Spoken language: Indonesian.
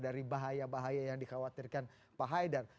dari bahaya bahaya yang dikhawatirkan pak haidar